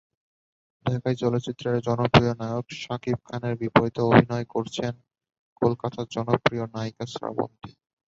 ঢাকাই চলচ্চিত্রের জনপ্রিয় নায়ক শাকিব খানের বিপরীতে অভিনয় করছেন কলকাতার জনপ্রিয় নায়িকা শ্রাবন্তী।